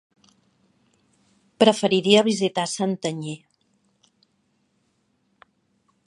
Preferiria visitar Santanyí.